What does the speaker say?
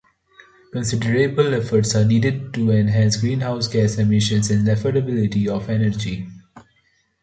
Considerable efforts are needed to enhance greenhouse gas emissions and the affordability of energy.